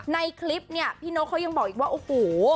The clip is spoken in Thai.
ในคลิปเนี่ยพี่นกเขายังบอกอีกว่าโอ้โห